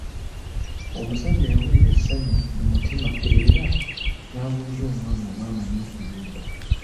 Omusajja yawulira essanyu mu mutima era n'abuuza omwana oba amanyi okuyimba.